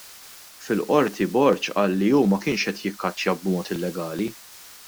Fil-Qorti Borg qal li hu ma kienx qed jikkaċċja b'mod illegali.